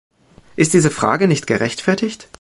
Ist diese Frage nicht gerechtfertigt?